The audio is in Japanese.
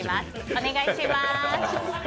お願いします。